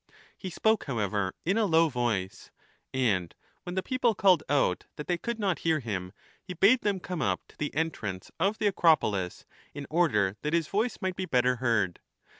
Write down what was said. He spoke, however, in a low voice ; and when the people called out that they could not hear him, he bade them come up to the entrance of the Acropolis, in order that his voice might be better heard.